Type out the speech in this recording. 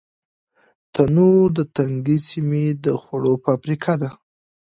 تنور د تنګې سیمې د خوړو فابریکه ده